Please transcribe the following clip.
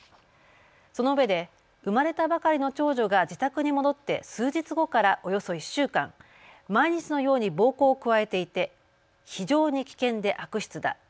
そのうえで生まれたばかりの長女が自宅に戻って数日後からおよそ１週間、毎日のように暴行を加えていて非常に危険で悪質だ。